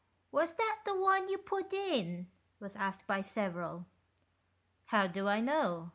" Was that the one you put in ?" was asked by several. "How do I know?"